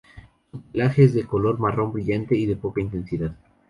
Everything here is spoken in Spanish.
Su pelaje es de color marrón, brillante y de poca densidad.